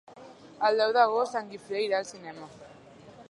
El deu d'agost en Guifré irà al cinema.